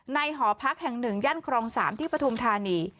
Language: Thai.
หอพักแห่ง๑ย่านครอง๓ที่ปฐุมธานี